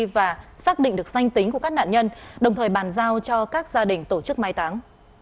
và xác định được danh tính của các nạn nhân đồng thời bàn giao cho các gia đình tổ chức mai táng